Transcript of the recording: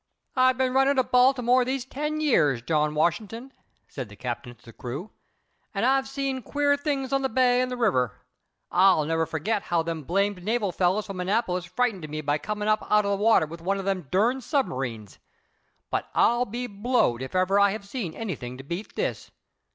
"I've been running to Baltimore these ten years, John Washington," said the Captain to the crew, "and I've seen queer things on the bay and the river. I'll never forget how them blamed naval fellers from Annapolis frightened me by coming up out of the water with one of them durned submarines. But I'll be blowed if ever I have seen anything to beat this.